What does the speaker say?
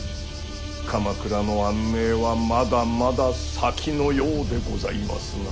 鎌倉の安寧はまだまだ先のようでございますな。